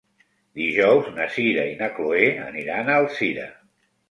Dijous na Sira i na Chloé aniran a Alzira.